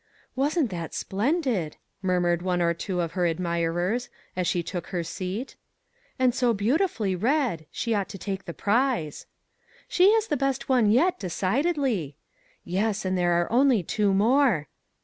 " Wasn't that splendid !" murmured one or two of her admirers, as she took her seat. " And so beautifully read ; she ought to take 374 "THE EXACT TRUTH" the prize." " She is the best one yet, decid edly." " Yes, and there are only two more."